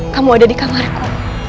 kamu ada di kamarku